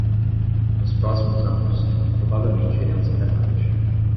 Nos próximos anos, provavelmente iremos até Marte.